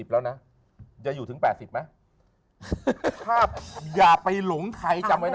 แล้วนะจะอยู่ถึง๘๐ไหมถ้าอย่าไปหลงใครจำไว้นะ